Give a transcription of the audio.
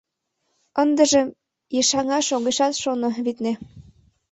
Ындыжым ешаҥаш огешат шоно, витне.